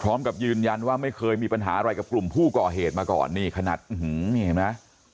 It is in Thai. พร้อมกับยืนยันว่าไม่เคยมีปัญหาอะไรกับกลุ่มผู้ก่อเหตุมาก่อนนี่ขนาดนี่เห็นไหม